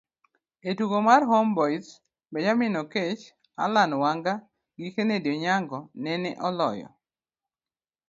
ei tugo mar Homeboyz, Benjamin Oketch, Allan Wanga gi Kennedy Onyango nene oloyo